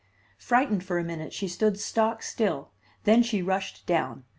Frightened for a minute, she stood stock still, then she rushed down.